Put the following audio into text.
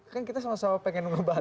kan kita sama sama pengen ngebahas